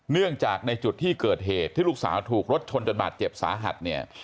เนื่องจากในจุดที่เกิดเหตุที่ลูกสาวถูกรถชนจนบาดเจ็บสาหัสเนี่ย